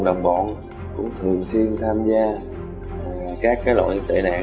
đồng bọn cũng thường xuyên tham gia các cái loại tệ nạn của các tài sản của bị hại thì đối tượng họ